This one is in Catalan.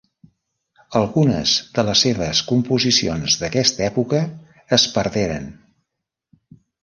Algunes de les seves composicions d'aquesta època es perderen.